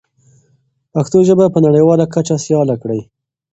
پښتو ژبه په نړیواله کچه سیاله کړئ.